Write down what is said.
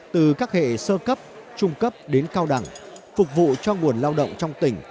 từ các hệ sơ cấp trung cấp đến cao đẳng phục vụ cho nguồn lao động trong tỉnh